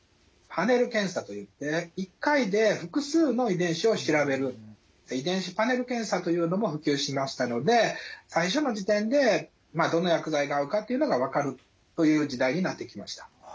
パネル検査といって遺伝子パネル検査というのも普及しましたので最初の時点でどの薬剤が合うかっていうのが分かるという時代になってきました。